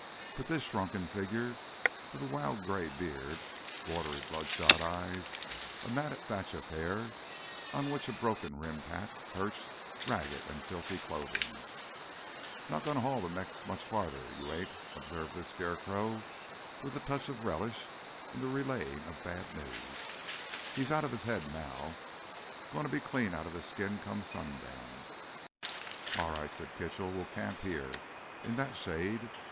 But this shrunken figure with a wild gray beard, watery, bloodshot eyes, a matted thatch of hair on which a broken rimmed hat perched, ragged and filthy clothing ... "Not gonna haul th' Mex much farther, you ain't!" observed this scarecrow with a touch of relish in the relaying of bad news. "He's outta his head now, gonna be clean outta his skin come sundown." "All right!" said Kitchell. "We'll camp here ... in that shade."